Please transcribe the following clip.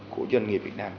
của doanh nghiệp việt nam